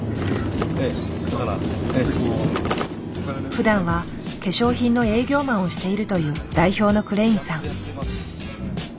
ふだんは化粧品の営業マンをしているという代表のクレインさん。